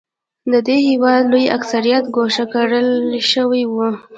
د دې هېواد لوی اکثریت ګوښه کړل شوی و.